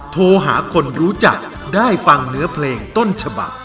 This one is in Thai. โทรหาคนรู้จักได้ฟังเนื้อเพลงต้นฉบัก